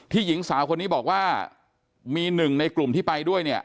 หญิงสาวคนนี้บอกว่ามีหนึ่งในกลุ่มที่ไปด้วยเนี่ย